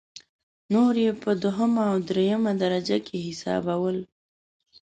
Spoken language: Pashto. نور یې په دویمه او درېمه درجه کې حسابول.